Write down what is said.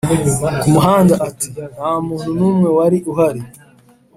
Kamuhanda ati: “Nta muntu n’umwe wari uhari.